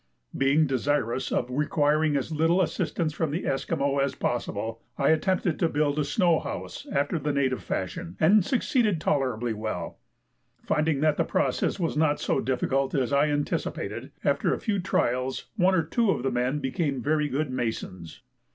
Being desirous of requiring as little assistance from the Esquimaux as possible, I attempted to build a snow house after the native fashion, and succeeded tolerably well; finding that the process was not so difficult as I anticipated, after a few trials one or two of the men became very good masons.